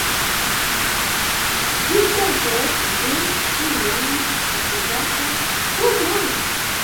Vi sentos vin iom konfuzata, ĉu ne?